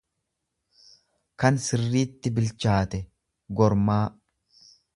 kan sirriitti bilchaate, gormaa.